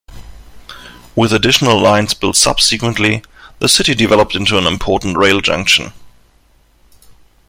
With additional lines built subsequently, the city developed into an important rail junction.